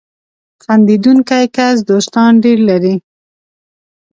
• خندېدونکی کس دوستان ډېر لري.